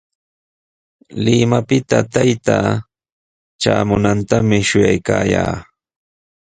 Limapita taytaa traamunantami shuyaykaayaa.